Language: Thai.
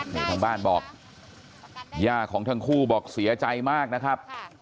นี่ทางบ้านบอกย่าของทั้งคู่บอกเสียใจมากนะครับ